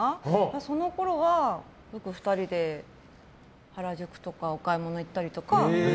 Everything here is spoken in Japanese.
そのころは、２人で原宿とかお買い物行ったりとか。